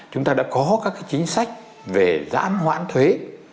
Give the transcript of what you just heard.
chúng ta đã có các chính sách về giãn hoãn thuế